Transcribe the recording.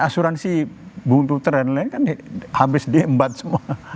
asuransi bung tuter dan lain lain kan habis diembat semua